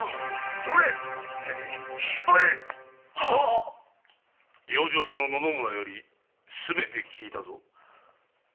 ⁉これ控えい養生所の野々村よりすべて聞いたぞ。